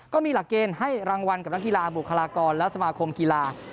ก็มีหลักเกณฑ์ให้รางวัลกับนักกีฬาบุคลากรและสมาคมกีฬา